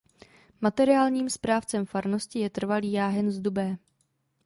Materiálním správcem farnosti je trvalý jáhen z Dubé.